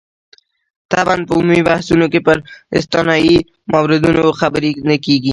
طبعاً په عمومي بحثونو کې پر استثنايي موردونو خبرې نه کېږي.